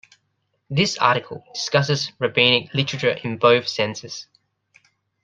This article discusses rabbinic literature in both senses.